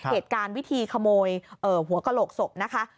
เหตุการณ์วิธีขโมยหัวกระโหลกศพนะคะ